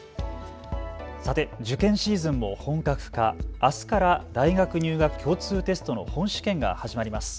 さて受験シーズンも本格化、あすから大学入学共通テストの本試験が始まります。